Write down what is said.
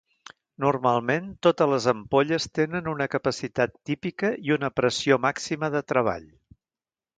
Normalment totes les ampolles tenen una capacitat típica i una pressió màxima de treball.